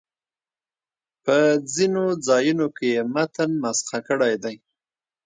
په ځینو ځایونو کې یې متن مسخ کړی دی.